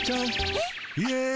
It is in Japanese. えっ？